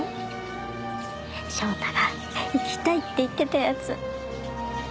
翔太が行きたいって言ってたやつ。